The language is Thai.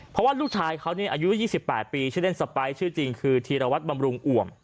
เพราะว่าลูกชายเขาอายุ๒๘ปีชื่อเล่นสไปร์ชื่อจริงคือธีรวัตรบำรุงอ่วม